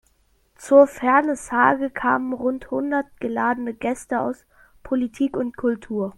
Zur Vernissage kamen rund hundert geladene Gäste aus Politik und Kultur.